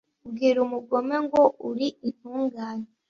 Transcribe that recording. ubwira umugome ngo uri intungane